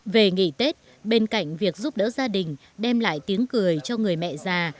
về nghỉ tết bên cạnh việc giúp đỡ gia đình đem lại tiếng cười cho người mẹ già